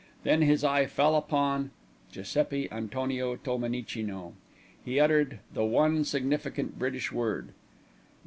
Then his eye fell upon Giuseppi Antonio Tolmenicino. He uttered the one significant British word.